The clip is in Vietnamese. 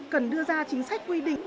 cần đưa ra chính sách quy định